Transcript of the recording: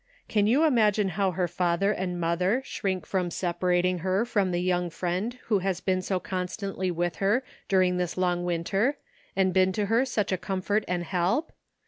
Can you imagine how her father and mother shrink from separating her from the young friend who has been so constantly with her during this long winter, and been to her such a comfort and help?